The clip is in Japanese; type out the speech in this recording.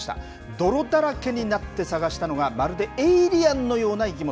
泥だらけになって探したのが、まるでエイリアンのような生き物。